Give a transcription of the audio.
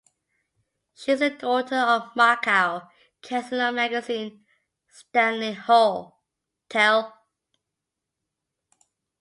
She is the daughter of Macao casino magnate Stanley Ho.